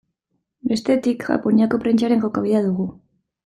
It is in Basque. Bestetik, Japoniako prentsaren jokabidea dugu.